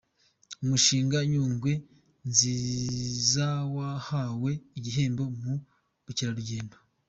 Umushinga Nyungwe Nzizawahawe igihembo mu bukerarugendo